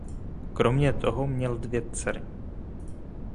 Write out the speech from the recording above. Kromě toho měl dvě dcery.